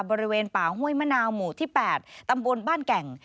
บริเวณป่าห้วยมะนาวหมู่ที่๘ตำบลบ้านแก่ง